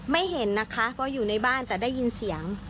ไม่เห็นนะคะก็อยู่ในบ้านแต่ได้ยินเสียง